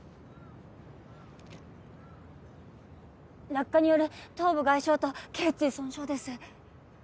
落下による頭部外傷と頸椎損傷です。